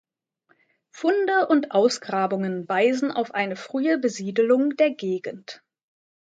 Funde und Ausgrabungen weisen auf eine frühe Besiedelung der Gegend.